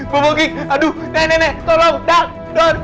bobo gig aduh nenek nenek tolong dong dong